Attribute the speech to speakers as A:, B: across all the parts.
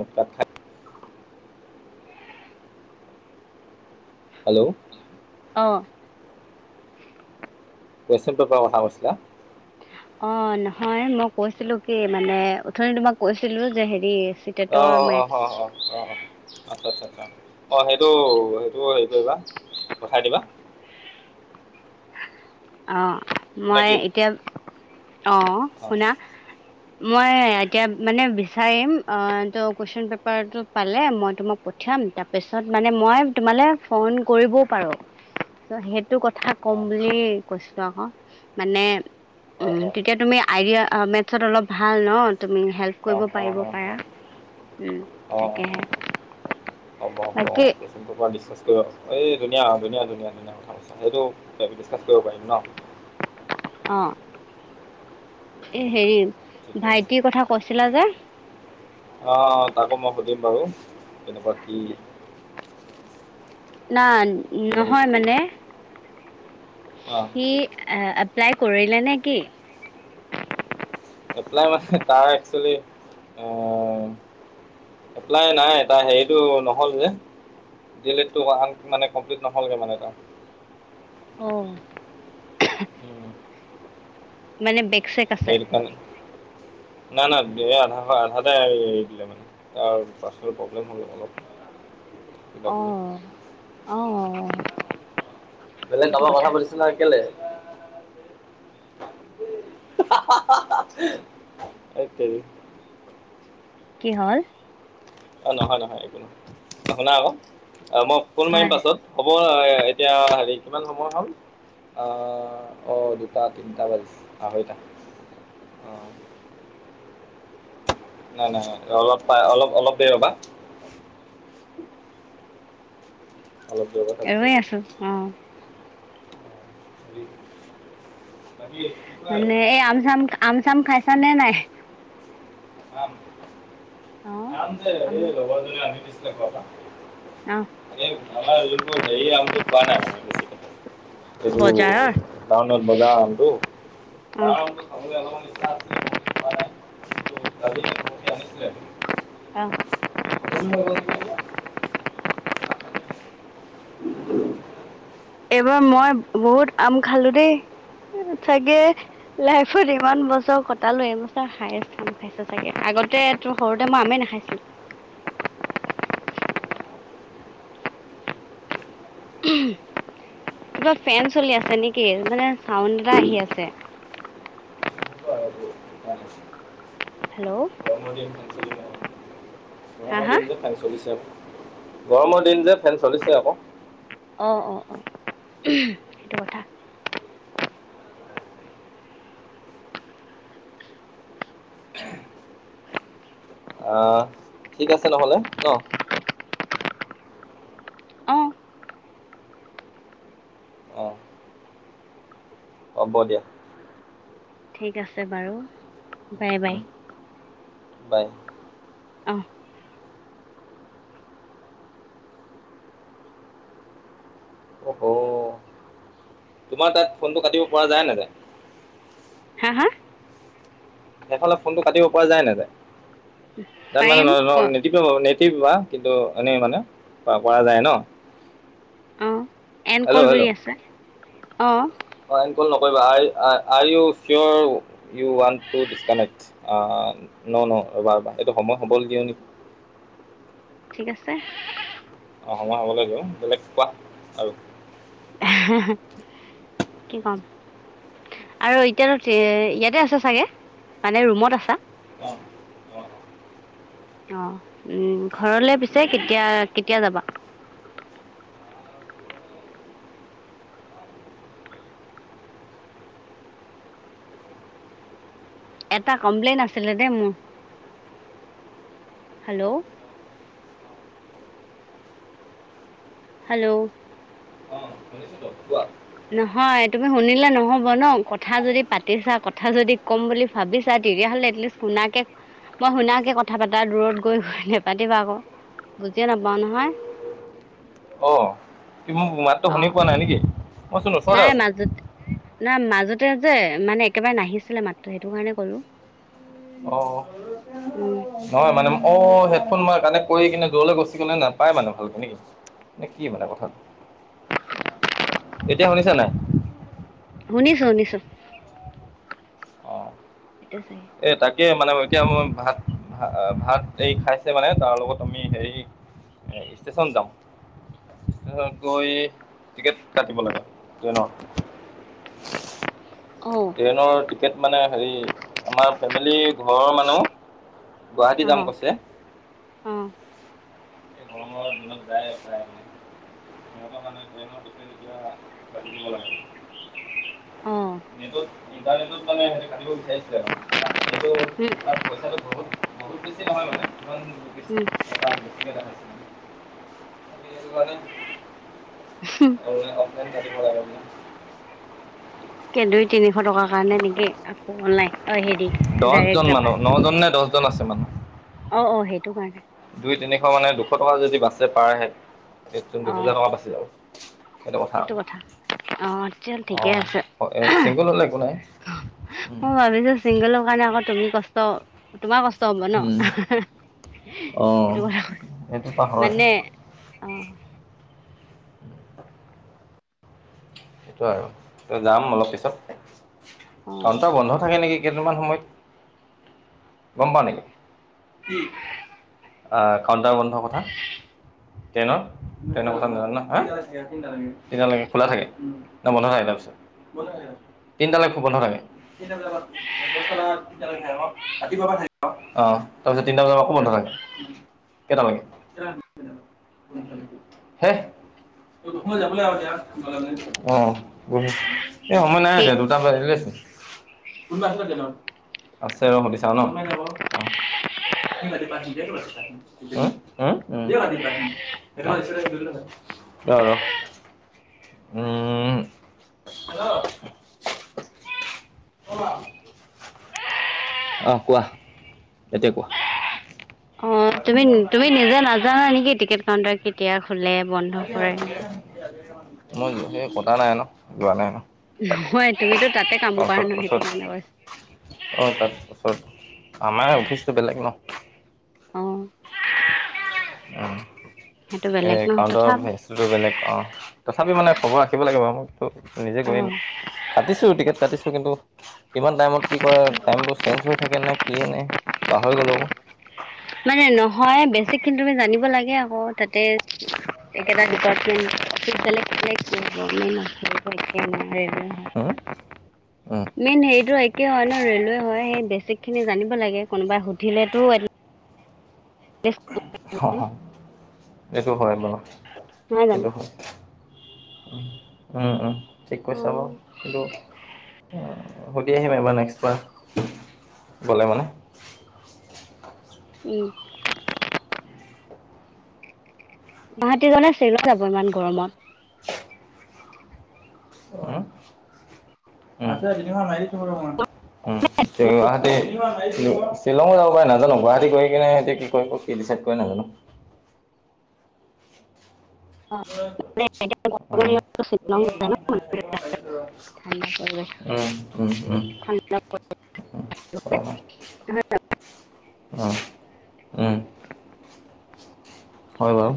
A: উম, ক'ত খাল হেল্ল'।
B: অ'।
A: কুৱেশ্যন পেপাৰৰ কথা কৈছিলা।
B: অ', নহয় মই কৈছিলো কি মানে উথনি তোমাক কৈছিলো যে হেৰি।
A: অ',
B: চিটেটৰ
A: অ', অ',
B: মেথছ
A: অ', হ' অ', অ'। আচ্ছা, আচ্ছা, অ', সেইটো সেইটো হেৰি কৰিবা পঠাই দিবা।
B: অ',
A: নে
B: মই
A: কি
B: এতিয়া অ', শুনা মই এতিয়া মানে বিচাৰিম অ', ত' কোৱেশ্যন পেপাৰটো পালে মই তোমাক পঠ পঠিয়াম তাৰপিছত মানে মই তোমালে ফোন কৰিবও পাৰোঁ চ' সেইটো কথা কম
A: অ',
B: বুলি কৈছিলো আকৌ মানে
A: অ', অ', অ',
B: উম, তেতিয়া তুমি আইডিয়া অ', মেথড অলপ ভাল ন' তুমি হেল্প কৰিব
A: অ', অ',
B: পাৰিব
A: অ',
B: পাৰা। উম,
A: অ',
B: তাকেহে
A: অ', হ'ব হ'ব
B: বাকী
A: [unintelligible] ডিছকাছ কৰিব এই ধুনীয়া ধুনীয়া-ধুনীয়া ধুনীয়া কথা কৈছা সেইটো ডিছকাছ কৰিব পাৰিম ন'।
B: অ', এ হেৰি
A: ঠিকে আছে
B: ভাইটিৰ কথা কৈছিলা যে।
A: অ', তাকো মই সুধিম বাৰু কেনেকুৱা কি
B: নাই
A: কেনেকৈ কি
B: নহয়
A: কৰিম
B: মানে।
A: অ'।
B: সি এ-এপ্লাই কৰিলে নে কি?
A: এপ্লাই মানে তাৰ এক্সুয়েলি অহ এপ্লাই নাই তাৰ হেৰিটো ন'হল যে। দি এল এডটো হোৱা হ'ল মানে কমপ্লিট নহ'লগে মানে তাৰ।
B: অ', মানে বেক চেক আছে।
A: [unintelligible] না, না ডেৰ আধা আধাতে এৰি দিলে মানে তাৰ পাৰ্চনেল প্ৰব্লেম হ'ল অলপ। [inaudible]
B: অ', অ'।
A: বেলেগ কাৰোবাক কথা পাতিছিলা কেলে? হেট টেৰী।
B: কি হ'ল?
A: অ, নহয় নহয় একো নহয়। শুনা আকৌ, মই ফোন মাৰিম
B: হয়
A: পাছত। হ'ব এতিয়া হেৰি, কিমান সময় হ'ল? আহ অ' দুটা, তিনিটা বাজিছে আঢ়ৈটা। অ', নাই নাই, অলপ পাই অলপ, অলপ দেৰি ৰ'বা। অলপ ৰ'বা
B: ৰৈ আছো
A: তাৰপিছত,
B: অ
A: অ' হেৰি
B: মানে, এই আম-চাম, আম-চাম খাইছা নে নাই?
A: আম,
B: অ
A: আম যে, এই লগৰ এজনীয়ে আনি দিছিলে ঘৰৰ পৰা।
B: অ,
A: এই আমাৰ যোনবোৰ হেৰি আমটো পোৱা নাই মানে [unintelligible] এইটো
B: বজাৰৰ
A: টাউনত বজাৰ আমটো।
B: অ
A: খাবলৈ অলপমান ইচ্ছা আছিলে, বহুদিন খোৱা নাই। কালি নে পৰহি আনিছিলেটো।
B: অ,
A: [unintelligible]
B: এইবাৰ মই বহুত আম খালো দেই। এই চাগে, লাইফত ইমান বছৰ কটালো এইবছৰ হায়েছ আম খাই। খাইছোঁ চাগে। আগতে তোৰ সৰুতে মই আমে নাখাইছিলো। কিবা ফেন চলি আছে নেকি? মানে চাউণ্ড এটা আহি আছে।
A: [inaudible]
B: হেল্ল',
A: গৰমৰ দিন ফেন চলিবৈ
B: হা
A: গৰমৰ
B: হা
A: দিন যে ফেন চলিছে আকৌ, গৰমৰ দিন যে ফেন চলিছে আকৌ।
B: অ', অ', অ', সেইটো কথা।
A: অ ঠিক আছে ন'হলে ন?
B: অ,
A: হ'ব দিয়া।
B: ঠিক আছে বাৰু বাই বাই।
A: বাই।
B: অ।
A: অ হ তোমাৰ তাত ফোনটো কাটিব পৰা যায় নে নাযায়?
B: হা? হা?
A: সেইফালে ফোনটো কাটিব পৰা যায় নে নাযায়?
B: পাৰিম ক
A: তাৰমানে [unintelligible] কিন্তু নিটিপিবা, কিন্তু এনে মানে, অ পৰা যায় ন?
B: অ, এণ্ড কল
A: হেল্ল'
B: বুলি আছে। অ
A: অ এণ্ড কল নকৰিবা are you sure you want to disconnect. অ, অ ন-ন ৰবা-ৰবা এইটো সময় হ'বলে দিয়া নেকি?
B: ঠিক আছে।
A: অ সময় হ'ব লাগিব। বেলেগ কোৱা আৰু
B: কি কম? আৰু এতিয়াটো এ- ইয়াতে আছে ছাগে? মানে ৰুমত আছা?
A: [unintelligible]
B: অ, উম ঘৰলে পিছে কেতিয়া-কেতিয়া যাবা? এটা কমপ্লেইন আছিলে দেই মো, হেল্ল'। হেল্ল'।
A: অ, শুনিছো ত কোৱা?
B: নহয়, তুমি শুনিলে নহ'ব ন, কথা যদি পাতিছা, কথা যদি ক'ম বুলি ভাবিছা, তেতিয়াহ'লে এট লিষ্ট শুনাকে মই শুনাকে কথা পাতা, দূৰত গৈ নেপাতিবা আক। বুজিয়ে নাপাও নহয়।
A: অ, তুমি মোৰ মাতটো শুনি
B: অ',
A: পোৱা নাই নেকি? মইচোন ওচৰতে
B: নাই
A: আছোঁ
B: মাজতে নাই মাজতে যে, মানে একেবাৰে নাহিছিলে মাতটো সেইটো কাৰণে কলো।
A: অ
B: উম,
A: [unintelligible] নহয় মানে, অ হেডফোন মই কানেক্ট কৰি কিনে দূৰলৈ গুচি গ'লে নাপায় মানে ভালকে নেকি? নে কি মানে কথাটো? এতিয়া শুনিছা নাই?
B: শুনিছো শুনিছো।
A: অ।
B: এইটো চাই
A: এ তাকে মানে এতিয়া মই ভাত আ ভাত এই খাইছে মানে তাৰ লগত আমি হেৰি এ ষ্টেচন যাম। ষ্টেচনত গৈ টিকেট কাটিব লাগে ট্ৰেইনৰ।
B: অ',
A: ট্ৰেইনৰ টিকেট মানে হেৰি আমাৰ ফেমিলীৰ ঘৰৰ মানুহ গুৱাহাটী যাম
B: অ',
A: কৈছে।
B: অ',
A: অ ট্ৰেইনত যায় প্ৰায় মানে। ঘৰৰ পৰা মানুহে ট্ৰেইনত উঠি নোপোৱা, কাটি দিব‌ লাগে।
B: অ',
A: নেটত ইণ্টাৰনেটত মানে সেইটো কাটিব বিচাৰিছিলে মানে সেইটো
B: হুহ।
A: তাত পইছাটো বহুত বহুত বেছি নহয় মানে, ইমান বেছি এটা বেছিকে দেখাইছে মানে। সেইটো কাৰণে মো
B: উম,
A: অনলাইন অফলাইন কাটিব লাগে বোলে।
B: কেন্দই তিনিশ টকাৰ কাৰণে নেকি আকৌ অনলাইন, অ হেৰি,
A: দহজন
B: ডাইৰেক্ট
A: মানুহ
B: যাবা?
A: নজন নে দহজন আছে মানুহ।
B: অ অ সেইটো কাৰণে।
A: দুই তিনিশ মানে দুশ টকা যদি বাচে পাৰ আহে, তে
B: অ
A: দুহেজাৰ টকা বাচি যাব। সেইটো কথা
B: অ তেতিয়াহ'লে
A: অ।
B: ঠিকে আছে
A: অ এ চিংগুল হ'লে একো নাই।
B: মই ভাবিছো চিংগুলৰ কাৰণে আক তুমি কষ্ট তোমাৰ কষ্ট হ'ব ন,
A: অঁ
B: সেইটো কথা ক,
A: সেইটো পাহৰে
B: মানে অ।
A: সেইটোয়ে আৰু ত যাম অলপ পিছত
B: অ
A: কাউণ্টাৰ বন্ধ থাকে নেকি কেইদিনমান সময়ত গম পাও নেকি? কি? আ কাউণ্টাৰ বন্ধৰ কথা। ট্ৰেইনৰ টেইনৰ কথা নাজানো ন, অ তিনটা লেকে খোলা থাকে। না বন্ধ থাকে তাৰপিছত, তিনিটালেকে খু বন্ধ থাকে। দছটা পা তিনটা লৈকে থাকে ক ৰাতিপুৱা পা থাকে ক, অ তাৰপিছত তিনটা বজাত আকৌ বন্ধ থাকে। কেইটালেকে [unintelligible] হেহ, মই যাবলৈ হ'ল এতিয়া [unintelligible] অ গ এ সময় নাই
B: এই
A: এতিয়া দুটা বজিলেচুন। কোনবা আহিব ট্ৰেইনত। আছে ৰ সুধিছা ন অ। [unintelligible] উম উম, ৰ ৰ উম [unintelligible] অহ কোৱা এতিয়া কোৱা।
B: অঁ
A: আমি
B: তুমি
A: গম নাই
B: তুমি
A: দিওঁ আৰু
B: নিজে নাজানা নেকি টিকেট কাউণ্টাৰ কেতিয়া খোলে বন্ধ
A: আজি
B: কৰে।
A: মই হে কতা নাই ন যোৱা নাই ন। তাত
B: নহয় তুমিতো তাতে কাম কৰা নহয় সেইটো কাৰণে কৈছোঁ।
A: অ তাৰপাছত আমাৰ অফিচটো বেলেগ ন।
B: অ [unintelligible]
A: অহ
B: সেইটো বেলেগ
A: এই
B: ন
A: কাউন্টাৰ
B: তথাপি
A: [unintelligible] তুৰটো বেলেগ অঁ, তথাপি মানে খবৰ ৰাখিব লাগে বাৰু মোকতো নিজে
B: অ
A: [unintelligible] কাটিছো টিকেট কাটিছো কিন্তু কিমান টাইমত কি কৰে টাইমবোৰ চেঞ্জ হৈ থাকে নে কিয়ে নে পাহৰি গ'লো আক।
B: মানে নহয় বেছিকখিনি তুমি জানিব লাগে আকৌ তাতে একেটা ডিপাৰ্টমেণ্ট, বেলেগ বেলেগ [unintelligible] [unintelligible]
A: উম উম
B: মেইন হেৰিটো একে হয় ন ৰেলৱে হয় সেই বেছিক খিনি জানিব লাগে কোনোবাই সুধিলেতো এত
A: অ এইটো হয় বাৰু
B: নহয় জানো
A: সেইটো হয়। উম উম ঠিক
B: অ
A: কৈছা বাৰু কিন্তু উ সুধি আহিম এইবাৰ নেক্সট বাৰ গ'লে মানে।
B: উম। ভাতিবেলা [unintelligible] ইমান গৰমত।
A: হুম [unintelligible] [unintelligible] গুৱাহাটী শ্বিলঙো যাব পাৰে নাজানো গুৱাহাটী গৈ কিনে সতে কি ক কি ডিচাইড কৰে নাজানো। উম
B: মানে শ্বিলং যায় ন
A: [unintelligible]
B: ঠাণ্ডা পৰিৱেশ
A: উম উম উম‌‌।
B: [unintelligible]
A: উম। উম, হয় বাৰু।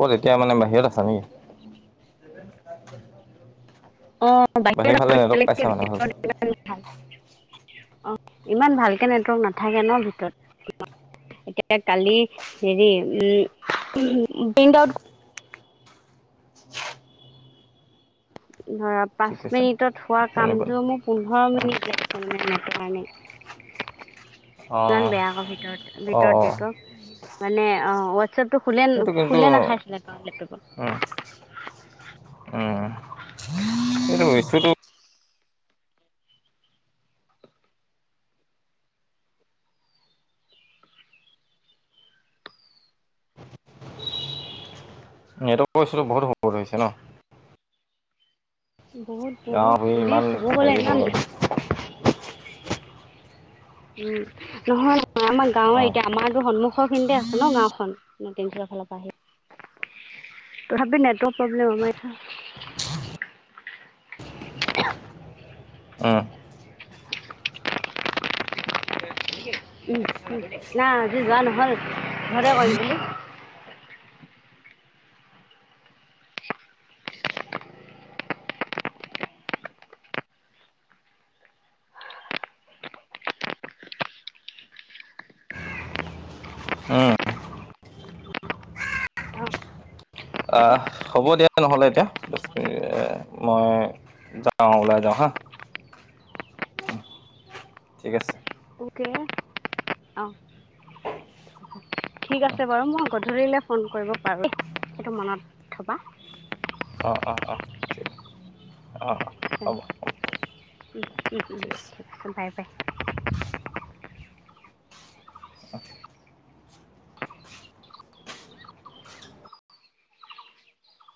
A: ক'ত এতিয়া মানে বাহিৰত আছা নেকি? [unintelligible]
B: অ বাহিৰ
A: ফালে নেটৱৰ্ক পাইছা মানে
B: [unintelligible]
A: [unintelligible]
B: অ ইমান ভালকে নেটৱৰ্ক নাথাকে ন ভিতৰত। এতিয়া কালি হেৰি উম প্ৰিন্ট আউট ধৰা
A: কি
B: পাঁচ
A: কৈছা?
B: মিনিটত হোৱা
A: শুনি পোৱা
B: কামটো
A: নাই।
B: মোৰ পোন্ধৰ
A: অ',
B: মিনিট লাগে। তাৰমানে নেটৰ কাৰণে। ইমান
A: অ',
B: বেয়া আকৌ ভিতৰত ভিতৰত
A: অ',
B: নেটৱৰ্ক মানে অ হোৱাটছএপটো খোলে
A: এইটো কিন্তু
B: খোলে নাখাইছিলে ত লেপটপত।
A: উম, উম এইটো বস্তুটো নেটৱৰ্কৰ ইচ্যুটো [unintelligible] বহুত [unintelligible] হৈছে ন?
B: বহুত
A: গাঁও
B: বহুত
A: ভূঁই
B: এনেই
A: ইমান
B: ক'ব গলে
A: হেৰি হৈ
B: ইমান
A: গ'ল।
B: উম নহয় নহয় আমাৰ গাঁৱৰ
A: অ',
B: এতিয়া আমাৰতো সন্মুখৰ খিনিতে আছে ন গাঁওখন, [unintelligible] ফালৰ পৰা আহি। তথাপিও নেটৱৰ্ক প্ৰব্লেম আমাৰ
A: অ।
B: [inaudible] উম না আজি যোৱা নহ'ল ঘৰতে কৰিম বুলি।
A: উম।
B: অ হেল্ল'
A: আহ হ'ব দিয়া নহ'লে এতিয়া দছ মিনিট মই যাও ওলাই যাওঁ হা, ঠিক আছে।
B: ওকে। ঠিক আছে বাৰু মই গধূলিলে ফোন কৰিব পাৰো, সেইটো মনত থবা।
A: অ অ অহ ঠিক। অ অ হ'ব হ'ব ঠিক আছে।
B: Bye bye.
A: [unintelligible]